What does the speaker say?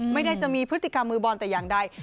ไม่ได้จะมีพฤติกรรมมือบอลแต่อย่างใด